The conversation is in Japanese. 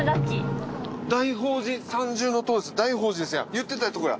言ってたとこや。